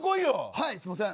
はいすいません。